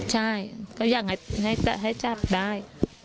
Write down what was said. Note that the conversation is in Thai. ใช่ก็ยังไห้จับได้